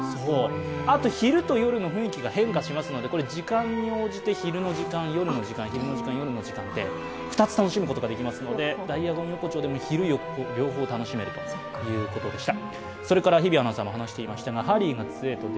昼と夜の雰囲気が変化しますので、時間に応じて、昼の時間、夜の時間って２つ楽しめることができるのでダイアゴン横丁でも昼夜両方楽しめるということでした。